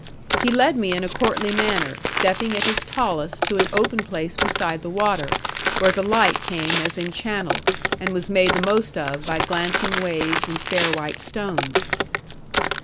He led me in a courtly manner, stepping at his tallest to an open place beside the water; where the light came as in channel, and was made the most of by glancing waves and fair white stones.